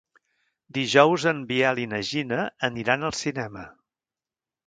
Dijous en Biel i na Gina aniran al cinema.